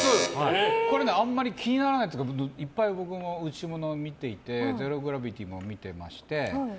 あんまり気にならないというか僕もいっぱい宇宙もの見ていて「ゼロ・グラビティ」も見ていまして。